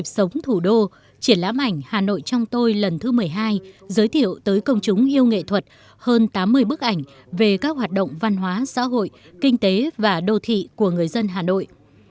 sống thủ đô triển lãm ảnh hà nội trong tôi lần thứ một mươi hai giới thiệu tới công chúng yêu nghệ thuật hơn tám mươi bức ảnh về các hoạt động văn hóa xã hội kinh tế và đô thị của người dân hà nội